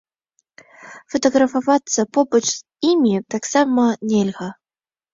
Фатаграфавацца побач з імі таксама нельга.